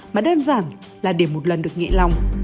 mà đơn giản là để một lần được nhẹ lòng